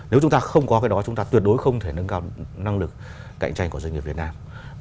nếu chúng ta không có cái đó chúng ta tuyệt đối không thể nâng cao năng lực cạnh tranh của doanh nghiệp việt nam